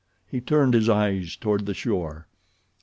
He turned his eyes toward the shore.